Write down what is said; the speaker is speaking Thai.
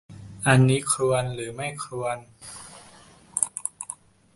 อันนี้ควร หรือไม่ควรนะ